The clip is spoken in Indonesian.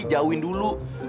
saya melayani kamu terus